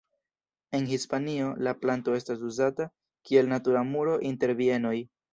En Hispanio la planto estas uzata kiel natura muro inter bienoj.